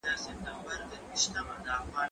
سپينکۍ د مور له خوا مينځل کيږي،